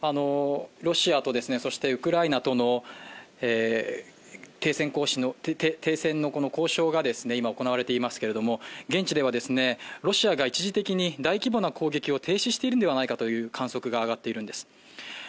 ロシアとウクライナとの停戦交渉が今行われていますけども現地ではロシアが一時的に大規模な攻撃を停止しているのではないかという観測が上がっているんです。